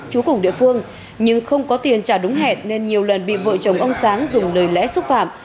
chú cùng địa phương nhưng không có tiền trả đúng hẹn nên nhiều lần bị vợ chồng ông sáng dùng lời lẽ xúc phạm